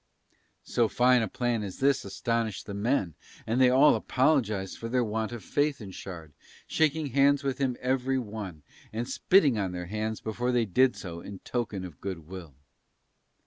So fine a plan as this astonished the men and they all apologised for their want of faith in Shard, shaking hands with him every one and spitting on their hands before they did so in token of good will.